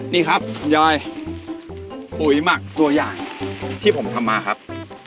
นี่ครับคุณยอยปุ๋ยหมักตัวอย่างที่ผมทำมาครับ